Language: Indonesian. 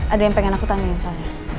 ada yang pengen aku tanya insya allah